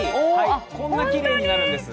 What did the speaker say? こんなにきれいに見えるんです。